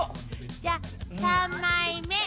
じゃあ３枚目。